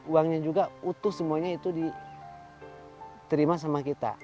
uangnya juga utuh semuanya itu diterima sama kita